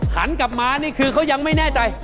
หันกลับมานี่คือเขายังไม่แน่ใจ